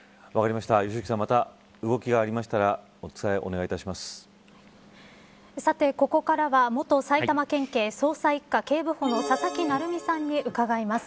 良幸さん、また動きがありましたらさて、ここからは元埼玉県警捜査一課警部補の佐々木成三さんに伺います。